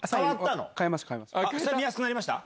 見やすくなりました？